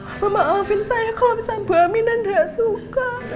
mereka maafin saya kalau misalnya bu aminah gak suka